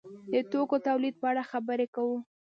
د توکو تولید په اړه خبرې کوو.